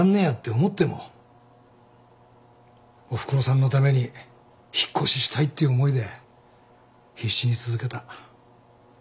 やって思ってもおふくろさんのために引っ越ししたいっていう思いで必死に続けた。